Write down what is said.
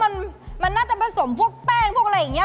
มันมันน่าจะผสมพวกแป้งพวกอะไรอย่างนี้